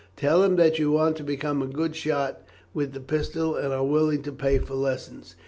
Tell him that you want to become a good shot with the pistol, and are willing to pay for lessons.